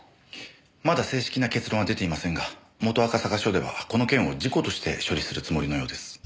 まだ正式な結論は出ていませんが元赤坂署ではこの件を事故として処理するつもりのようです。